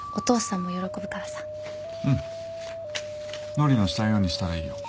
ノリのしたいようにしたらいいよ。